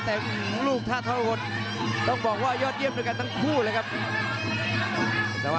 แต่ลูกธ่าท้องท่วนที่ต้องบอกว่ายอดเยี่ยมด้วยกันทั้งคู่เลยครับ